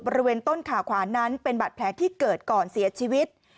บริเวณต้นขาขวานั้นเป็นบาดแผลที่เกิดก่อนเสียชีวิต